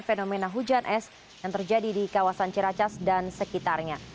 fenomena hujan es yang terjadi di kawasan ciracas dan sekitarnya